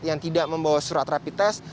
yang tidak membawa surat rapi tes